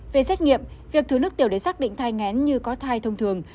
về xét nghiệm việc thứ nước tiểu để xác định thai ngán như có thai thông thường